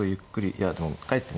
いやでもかえってね